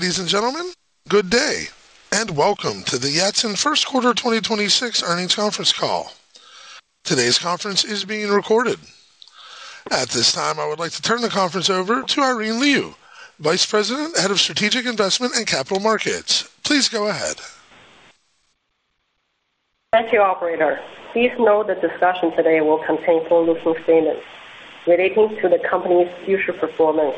Ladies and gentlemen, good day, and welcome to the Yatsen First Quarter 2026 Earnings Conference Call. Today's conference is being recorded. At this time, I would like to turn the conference over to Irene Lyu, Vice President, Head of Strategic Investment and Capital Markets. Please go ahead. Thank you, operator. Please note that discussion today will contain forward-looking statements relating to the company's future performance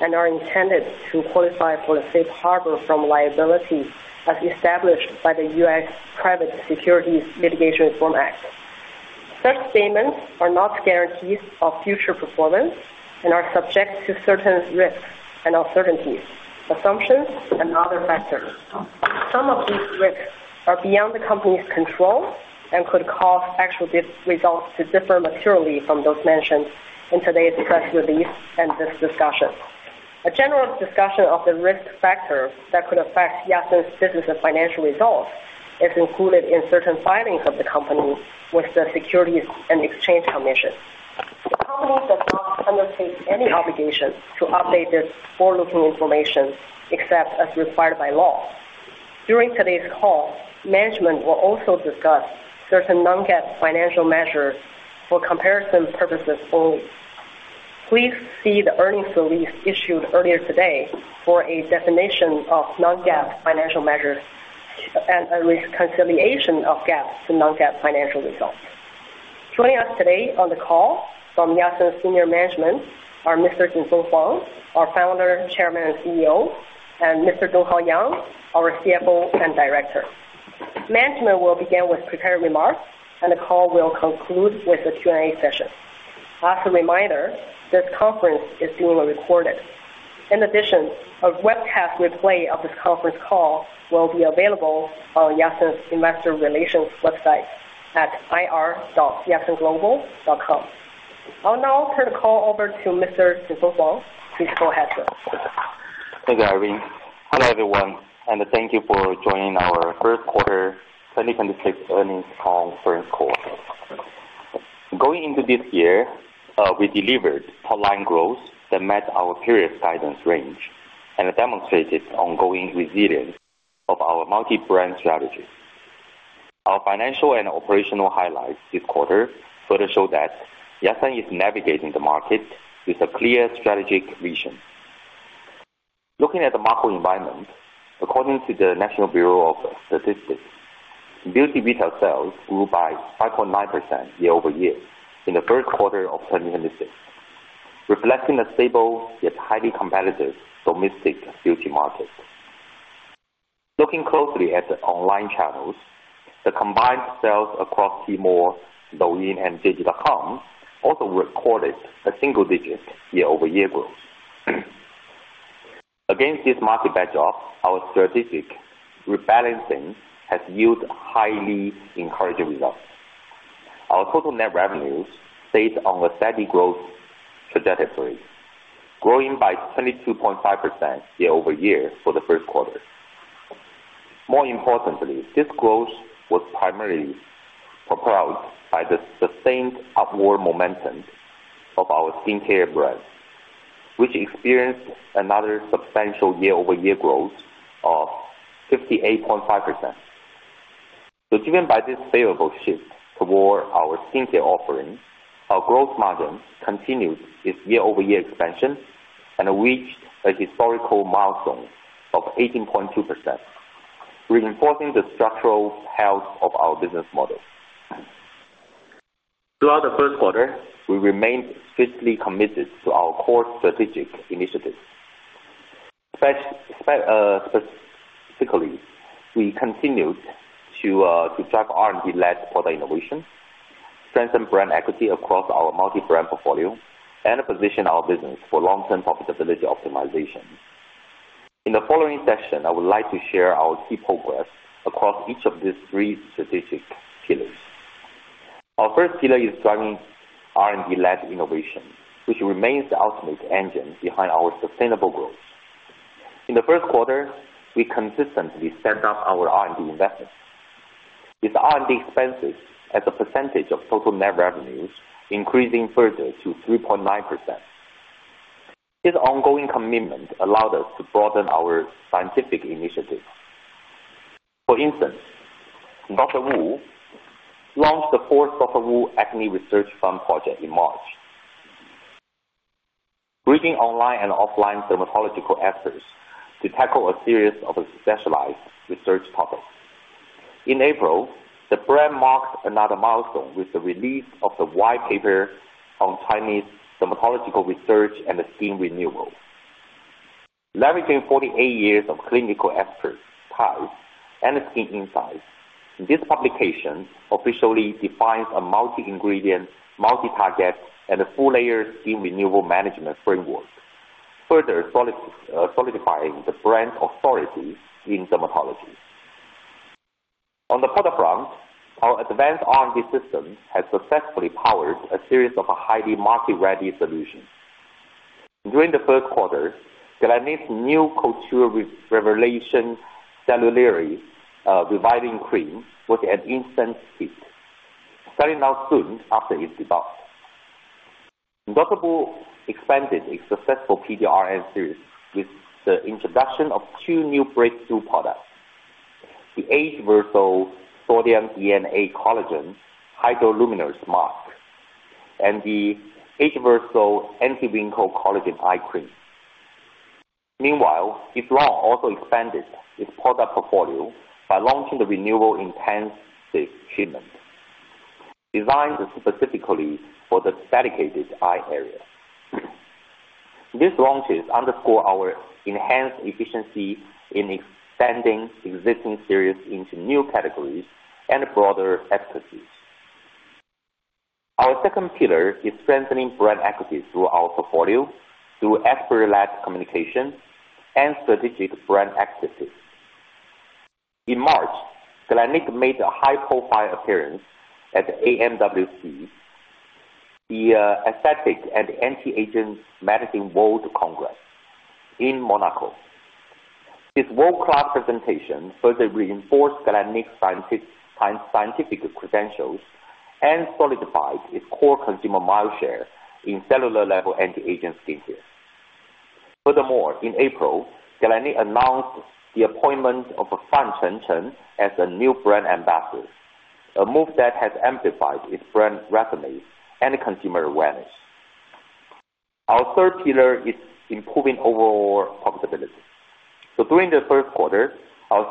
and are intended to qualify for the safe harbor from liability as established by the U.S. Private Securities Litigation Reform Act. Such statements are not guarantees of future performance and are subject to certain risks and uncertainties, assumptions, and other factors. Some of these risks are beyond the company's control and could cause actual results to differ materially from those mentioned in today's press release and this discussion. A general discussion of the risk factors that could affect Yatsen's business and financial results is included in certain filings of the company with the Securities and Exchange Commission. The company does not undertake any obligation to update this forward-looking information except as required by law. During today's call, management will also discuss certain non-GAAP financial measures for comparison purposes only. Please see the earnings release issued earlier today for a definition of non-GAAP financial measures and a reconciliation of GAAP to non-GAAP financial results. Joining us today on the call from Yatsen senior management are Mr. Jinfeng Huang, our Founder, Chairman, and CEO, and Mr. Donghao Yang, our CFO and Director. Management will begin with prepared remarks. The call will conclude with a Q and A session. As a reminder, this conference is being recorded. A webcast replay of this conference call will be available on Yatsen's investor relations website at ir.yatsenglobal.com. I'll now turn the call over to Mr. Jinfeng Huang. Please go ahead, sir. Thanks, Irene. Hi, everyone, and thank you for joining our first quarter 2026 earnings conference call. Going into this year, we delivered top-line growth that met our period guidance range and demonstrated ongoing resilience of our multi-brand strategy. Our financial and operational highlights this quarter further show that Yatsen is navigating the market with a clear strategic vision. Looking at the macro environment, according to the National Bureau of Statistics, beauty retail sales grew by 5.9% year-over-year in the first quarter of 2026, reflecting a stable yet highly competitive domestic beauty market. Looking closely at the online channels, the combined sales across Tmall and Douyin, and JD.com also recorded a single-digit year-over-year growth. Against this market backdrop, our strategic rebalancing has yielded highly encouraging results. Our total net revenues stayed on a steady growth trajectory, growing by 22.5% year-over-year for the first quarter. More importantly, this growth was primarily propelled by the sustained upward momentum of our skincare brand, which experienced another substantial year-over-year growth of 68.5%. Driven by this favorable shift toward our skincare offering, our gross margin continued its year-over-year expansion and reached a historical milestone of 18.2%, reinforcing the structural health of our business model. Throughout the first quarter, we remained fiercely committed to our core strategic initiatives. Specifically, we continued to drive R&D-led product innovation, strengthen brand equity across our multi-brand portfolio, and position our business for long-term profitability optimization. In the following section, I would like to share our key progress across each of these three strategic pillars. Our first pillar is driving R&D-led innovation, which remains the ultimate engine behind our sustainable growth. In the first quarter, we consistently stepped up our R&D investments, with R&D expenses as a percentage of total net revenues increasing further to 3.9%. This ongoing commitment allowed us to broaden our scientific initiatives. For instance, Dr. Wu launched the fourth Dr. Wu Acne Research Fund project in March, bringing online and offline dermatological experts to tackle a series of specialized research topics. In April, the brand marked another milestone with the release of the white paper on Chinese dermatological research and skin renewal. Leveraging 48 years of clinical expert trials and skin insights, this publication officially defines a multi-ingredient, multi-target, and a full-layer skin renewal management framework, further solidifying the brand's authority in dermatology. On the product front, our advanced R&D systems have successfully powered a series of highly market-ready solutions. During the first quarter, Galénic's new Couture Révélation Cellulaire Revitalising Cream was an instant hit, selling out soon after its debut. Dr. Wu expanded its successful PDRN series with the introduction of two new breakthrough products, the Ageversal Sodium DNA Hydro-Luminous Mask, and the Ageversal Advanced Rejuvenate Eye Cream. Meanwhile, this launch also expanded its product portfolio by launching the Renewal Intensive Treatment, designed specifically for the dedicated eye area. These launches underscore our enhanced efficiency in expanding existing series into new categories and broader equities. Our second pillar is strengthening brand equities through our portfolio through expert-led communication and strategic brand activities. In March, Galénic made a high profile appearance at the AMWC, the Aesthetic and Anti-Aging Medicine World Congress in Monaco. This world class presentation further reinforced Galénic's scientific credentials and solidified its core consumer mindshare in cellular level anti-aging skincare. Furthermore, in April, Galénic announced the appointment of Fan Chengcheng as the new brand ambassador, a move that has amplified its brand resonance and consumer awareness. Our third pillar is improving overall profitability. During the third quarter, our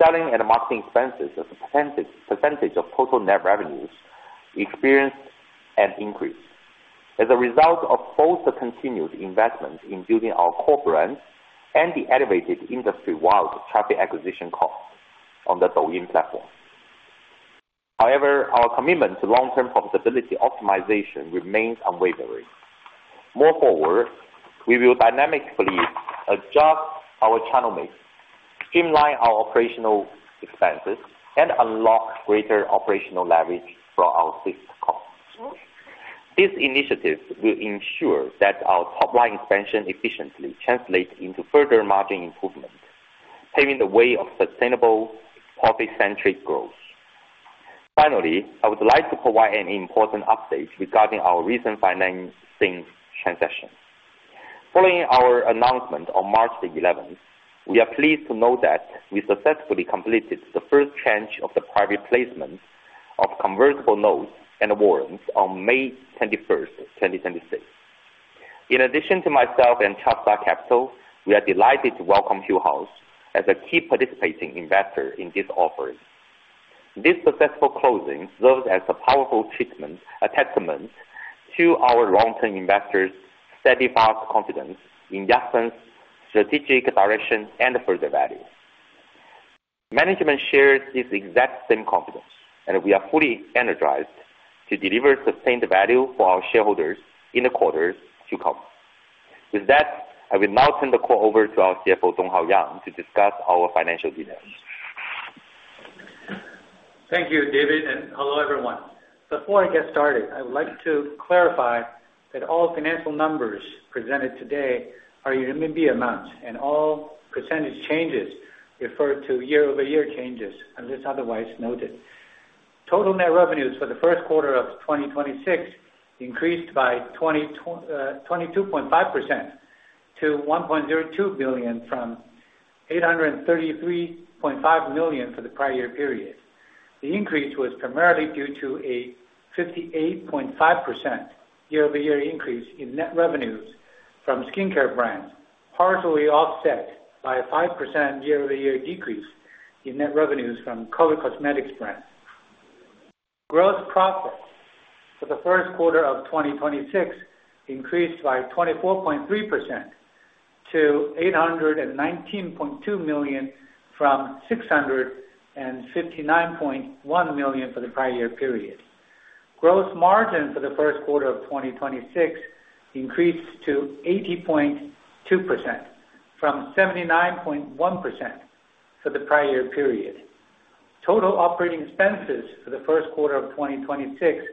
selling and marketing expenses as a percentage of total net revenues experienced an increase as a result of both the continued investment in building our core brands and the elevated industry-wide traffic acquisition costs on the Douyin platform. Our commitment to long-term profitability optimization remains unwavering. Moving forward, we will dynamically adjust our channel mix, streamline our operational expenses, and unlock greater operational leverage from our fixed costs. These initiatives will ensure that our top-line expansion efficiently translates into further margin improvement, paving the way of sustainable profit-centric growth. Finally, I would like to provide an important update regarding our recent financing transaction. Following our announcement on March 11th, we are pleased to note that we successfully completed the first tranche of the private placement of convertible notes and warrants on May 31st, 2026. In addition to myself and [Cha Capital, we are delighted to welcome Hillhouse as a key participating investor in this offering. This successful closing serves as a powerful testament to our long-term investors' steadfast confidence in Yatsen's strategic direction and further value. Management shares this exact same confidence, and we are fully energized to deliver sustained value for our shareholders in the quarters to come. With that, I will now turn the call over to our CFO, Donghao Yang, to discuss our financial details. Thank you, David, and hello everyone. Before I get started, I would like to clarify that all financial numbers presented today are unified amounts and all percentage changes refer to year-over-year changes unless otherwise noted. Total net revenues for the first quarter of 2026 increased by 22.5% to 1.02 billion from 833.5 million for the prior year period. The increase was primarily due to a 58.5% year-over-year increase in net revenues from skincare brands, partially offset by a 5% year-over-year decrease in net revenues from color cosmetics brands. Gross profit for the first quarter of 2026 increased by 24.3% to 819.2 million from 659.1 million for the prior year period. Gross margin for the first quarter of 2026 increased to 80.2%, from 79.1% for the prior year period. Total operating expenses for the first quarter of 2026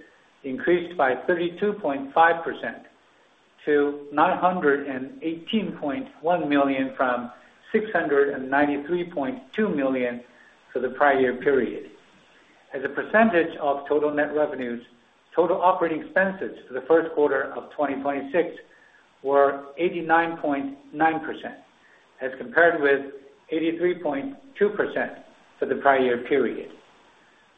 increased by 32.5% to 918.1 million from 693.2 million for the prior year period. As a percentage of total net revenues, total operating expenses for the first quarter of 2026 were 89.9%, as compared with 83.2% for the prior year period.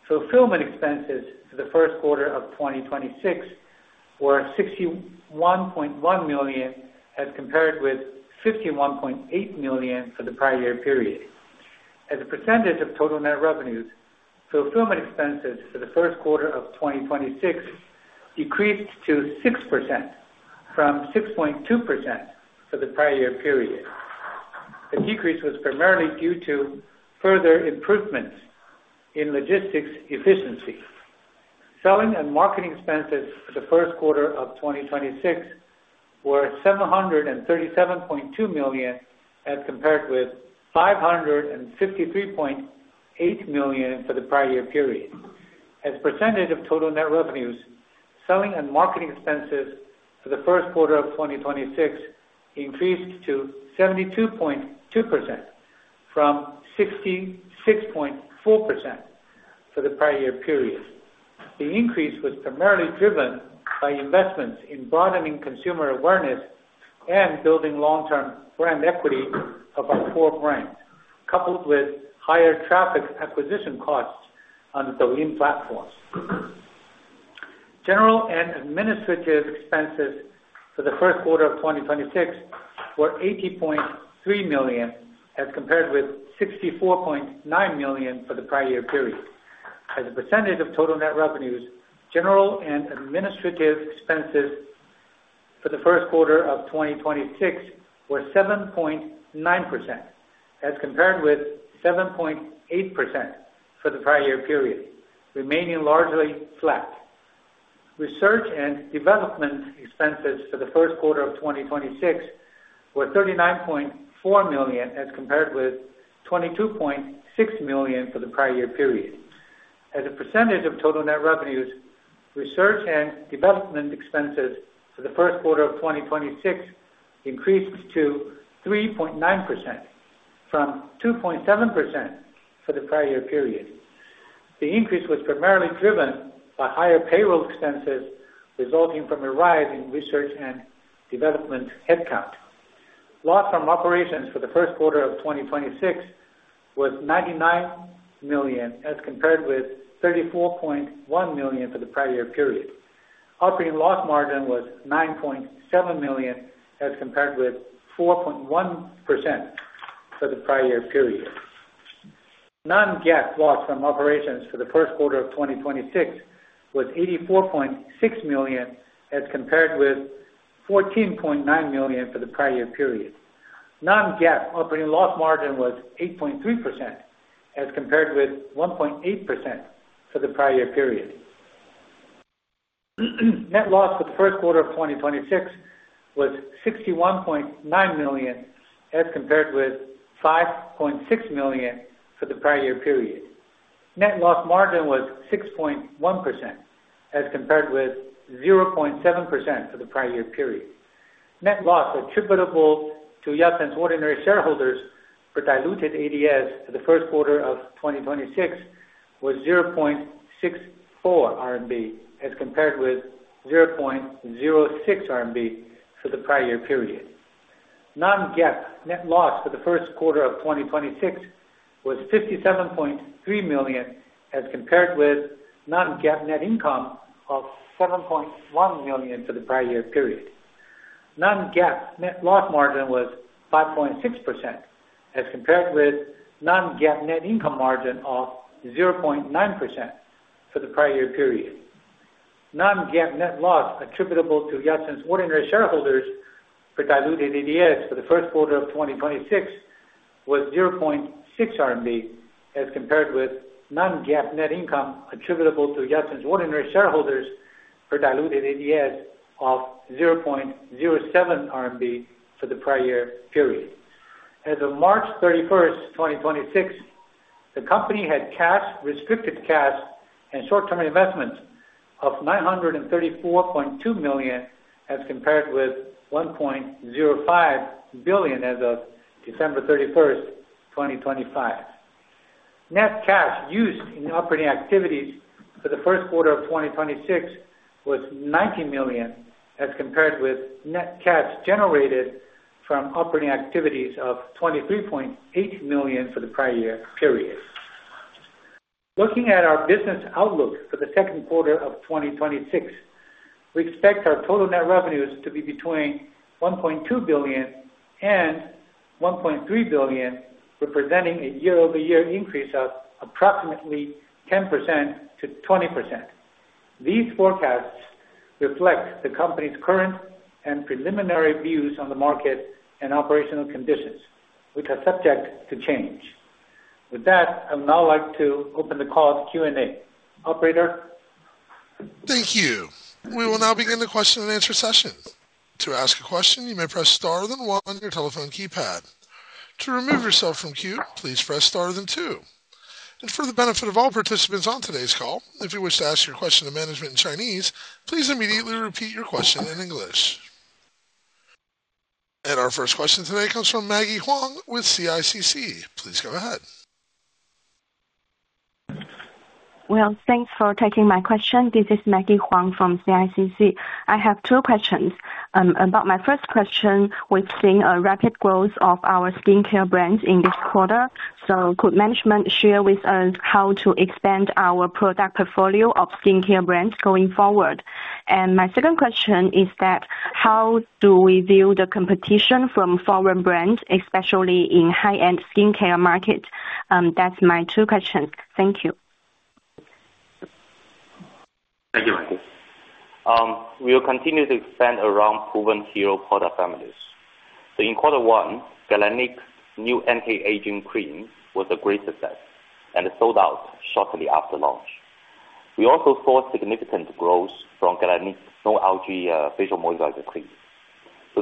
Fulfillment expenses for the first quarter of 2026 were 61.1 million as compared with 51.8 million for the prior year period. As a percentage of total net revenues, fulfillment expenses for the first quarter of 2026 decreased to 6%, from 6.2% for the prior year period. The decrease was primarily due to further improvements in logistics efficiency. Selling and marketing expenses for the first quarter of 2026 were 737.2 million as compared with 553.8 million for the prior year period. As percentage of total net revenues, selling and marketing expenses for the first quarter of 2026 increased to 72.2%, from 66.4% for the prior year period. The increase was primarily driven by investments in broadening consumer awareness and building long-term brand equity of our core brands, coupled with higher traffic acquisition costs on the Douyin platform. General and administrative expenses for the first quarter of 2026 were 80.3 million, as compared with 64.9 million for the prior year period. As a percentage of total net revenues, general and administrative expenses for the first quarter of 2026 were 7.9%, as compared with 7.8% for the prior year period, remaining largely flat. Research and development expenses for the first quarter of 2026 were 39.4 million, as compared with 22.6 million for the prior year period. As a percentage of total net revenues, research and development expenses for the first quarter of 2026 increased to 3.9%, from 2.7% for the prior year period. The increase was primarily driven by higher payroll expenses resulting from a rise in research and development headcount. Loss from operations for the first quarter of 2026 was 99 million, as compared with 34.1 million for the prior year period. Operating loss margin was 9.7%, as compared with 4.1% for the prior year period. Non-GAAP loss from operations for the first quarter of 2026 was 84.6 million, as compared with 14.9 million for the prior year period. Non-GAAP operating loss margin was 8.3%, as compared with 1.8% for the prior year period. Net loss for the first quarter of 2026 was 61.9 million, as compared with 5.6 million RMB for the prior year period. Net loss margin was 6.1%, as compared with 0.7% for the prior year period. Net loss attributable to Yatsen's ordinary shareholders per diluted ADS for the first quarter of 2026 was 0.64 RMB, as compared with RMB 0.06 for the prior year period. Non-GAAP net loss for the first quarter of 2026 was 57.3 million RMB, as compared with non-GAAP net income of RMB 7.1 million for the prior year period. Non-GAAP net loss margin was 5.6%, as compared with non-GAAP net income margin of 0.9% for the prior year period. Non-GAAP net loss attributable to Yatsen's ordinary shareholders per diluted ADS for the first quarter of 2026 was 0.6, as compared with non-GAAP net income attributable to Yatsen's ordinary shareholders per diluted ADS of RMB 0.07 for the prior year period. As of March 31st, 2026, the company had cash, restricted cash, and short-term investments of 934.2 million, as compared with 1.05 billion as of December 31st, 2025. Net cash used in operating activities for the first quarter of 2026 was 90 million, as compared with net cash generated from operating activities of 23.8 million for the prior year period. Looking at our business outlook for the second quarter of 2026, we expect our total net revenues to be between 1.2 billion and 1.3 billion, representing a year-over-year increase of approximately 10%-20%. These forecasts reflect the company's current and preliminary views on the market and operational conditions, which are subject to change. With that, I would now like to open the call to Q and A. Operator? Thank you. We will now begin the question-and-answer session. To ask a question, you may press star then one on your telephone keypad. To remove yourself from queue, please press star then two. For the benefit of all participants on today's call, if you wish to ask your question to management in Chinese, please immediately repeat your question in English. Our first question today comes from Manqi Huang with CICC. Please go ahead. Well, thanks for taking my question. This is Manqi Huang from CICC. I have two questions. About my first question, we've seen a rapid growth of our skincare brands in this quarter. Could management share with us how to expand our product portfolio of skincare brands going forward? My second question is that how do we view the competition from foreign brands, especially in high-end skincare markets? That's my two questions. Thank you. Thank you, Manqi. We'll continue to expand around proven hero product families. In quarter one, Galénic's new anti-aging cream was a great success and sold out shortly after launch. We also saw significant growth from Galénic's snow algae facial moisturizer cream.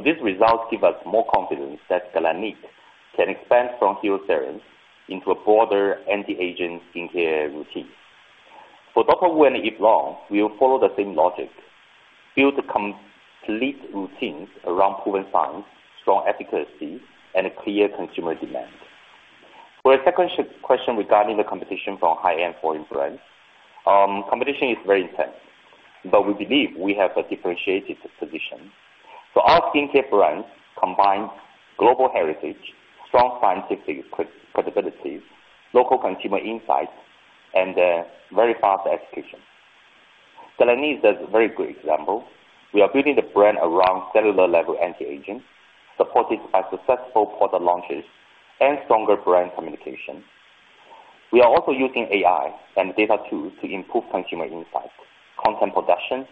These results give us more confidence that Galénic can expand from hero serums into a broader anti-aging skincare routine. For Dr. Wu and [Yuesao], we'll follow the same logic. Build complete routines around proven science, strong efficacy, and clear consumer demand. For the second question regarding the competition from high-end foreign brands, competition is very intense, but we believe we have a differentiated position. Our skincare brands combine global heritage, strong scientific credibility, local consumer insights, and very fast execution. Galénic is a very great example. We are building the brand around cellular-level anti-aging, supported by successful product launches and stronger brand communication. We are also using AI and data tools to improve consumer insights, content production,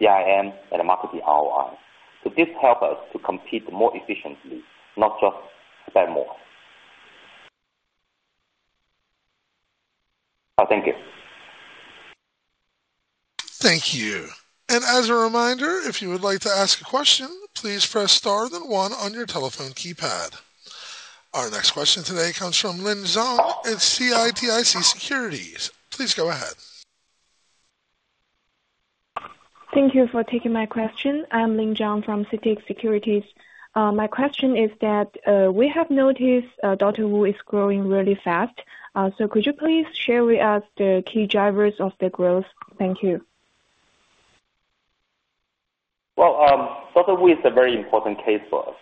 CIM, and marketing ROI. This helps us to compete more efficiently, not just to sell more. Thank you. Thank you. As a reminder, if you would like to ask a question, please press star then one on your telephone keypad. Our next question today comes from Lin Zhang at CITIC Securities. Please go ahead. Thank you for taking my question. I'm Lin Zhang from CITIC Securities. My question is that we have noticed Dr. Wu is growing really fast. Could you please share with us the key drivers of the growth? Thank you. Well, Dr. Wu is a very important case for us.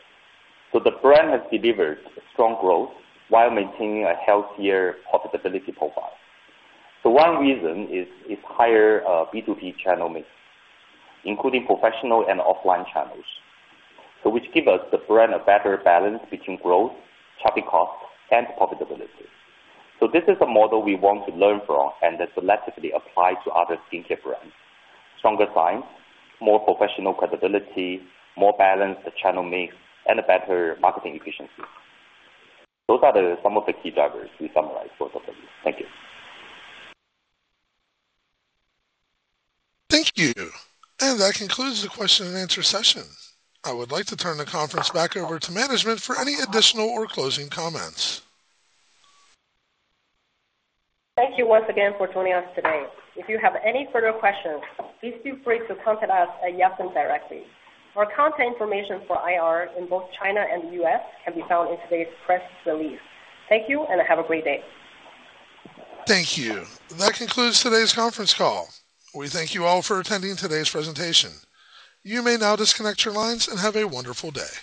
The brand has delivered strong growth while maintaining a healthier profitability profile. One reason is its higher B2B channel mix, including professional and offline channels. Which give us the brand a better balance between growth, traffic cost, and profitability. This is a model we want to learn from and then selectively apply to other skincare brands. Stronger science, more professional credibility, more balanced channel mix, and better marketing efficiency. Those are some of the key drivers we summarized for Dr. Wu. Thank you. Thank you. That concludes the question-and-answer session. I would like to turn the conference back over to management for any additional or closing comments. Thank you once again for joining us today. If you have any further questions, please feel free to contact us at Yatsen directly. Our contact information for IR in both China and the U.S. can be found in today's press release. Thank you, and have a great day. Thank you. That concludes today's conference call. We thank you all for attending today's presentation. You may now disconnect your lines and have a wonderful day.